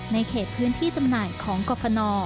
เขตพื้นที่จำหน่ายของกรฟน